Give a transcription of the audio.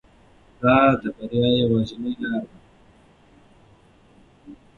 دا د بریا یوازینۍ لاره ده.